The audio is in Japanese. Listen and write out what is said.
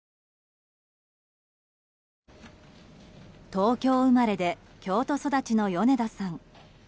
東京生まれで京都育ちの米田さん。